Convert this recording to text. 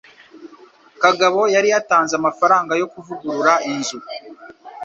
Kagabo yari yatanze amafaranga yo kuvugurura inzU